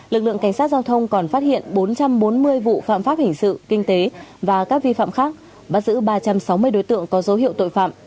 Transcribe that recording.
lực lượng cảnh sát giao thông còn phát hiện bốn trăm bốn mươi vụ phạm pháp hình sự kinh tế và các vi phạm khác bắt giữ ba trăm sáu mươi đối tượng có dấu hiệu tội phạm